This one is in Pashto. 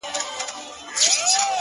خدايه ما وبخښې په دې کار خجالت کومه _